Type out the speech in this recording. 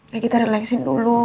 ya kita relaksin dulu